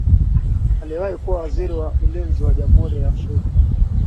aliyewahii kuwa waziri wa ulinzi wa jamhuri ya afrika